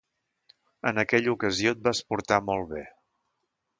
En aquella ocasió et vas portar molt bé.